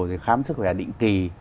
thì khám sức khỏe định kỳ